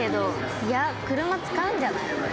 いや車使うんじゃない？